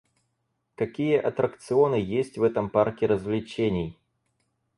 Какие аттракционы есть в этом парке развлечений?